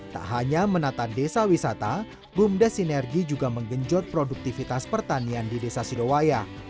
tak hanya menata desa wisata bumdes sinergi juga menggenjot produktivitas pertanian di desa sidowaya